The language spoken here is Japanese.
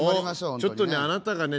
ちょっとねあなたがね